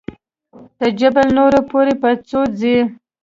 تر جبل نور پورې په څو ځې.